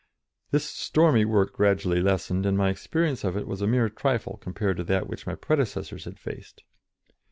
This stormy work gradually lessened, and my experience of it was a mere trifle compared to that which my predecessors had faced.